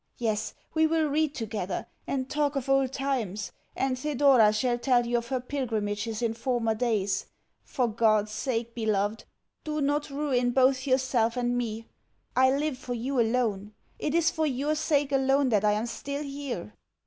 Yes, we will read together, and talk of old times, and Thedora shall tell you of her pilgrimages in former days. For God's sake beloved, do not ruin both yourself and me. I live for you alone; it is for your sake alone that I am still here.